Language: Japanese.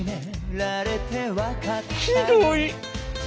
ひどい！